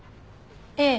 ええ。